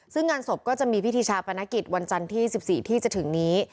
ซึ่งงานศพก็จะมีพิธีชาปนกิจวันจันทร์ที่๑๔ที่จะถึงนี้